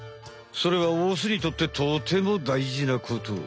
それはオスにとってとても大事なこと。